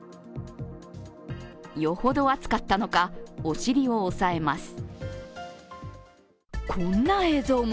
よほど熱かったのかおしりを押さえます。